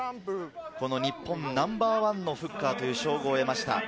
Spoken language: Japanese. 日本ナンバーワンのフッカーという称号を得ました。